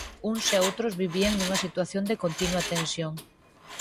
Uns e outros vivían nunha situación de continua tensión.